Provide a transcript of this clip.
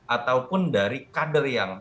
ataupun dari kader yang